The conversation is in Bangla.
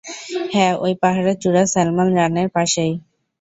হ্যাঁ, ঐ পাহাড়ের চূড়া স্যালমন রানের পাশেই।